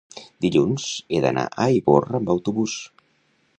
dilluns he d'anar a Ivorra amb autobús.